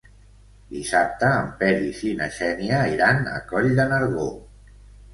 Dissabte en Peris i na Xènia iran a Coll de Nargó.